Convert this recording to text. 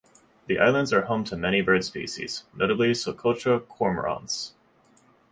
The islands are home to many bird species, notably Socotra cormorants.